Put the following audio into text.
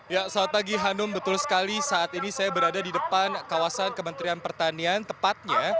ya selamat pagi hanum betul sekali saat ini saya berada di depan kawasan kementerian pertanian tepatnya